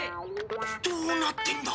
どうなってんだ？